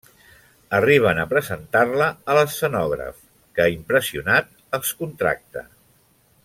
Arriben a presentar-la a l'escenògraf que, impressionat, els contracta.